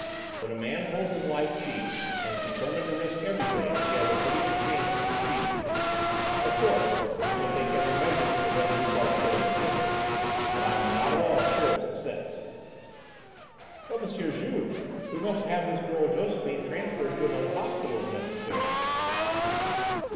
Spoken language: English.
When a man holds his life cheap and is determined to risk everything, he has a pretty good chance of succeeding. Of course I shall take every measure to prevent Loupart killing his mistress, but I'm not at all sure of success." "But M. Juve, we must have this girl Josephine transferred to another hospital if necessary."